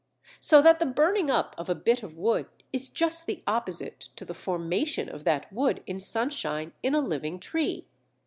So that the burning up of a bit of wood is just the opposite to the formation of that wood in sunshine in a living tree.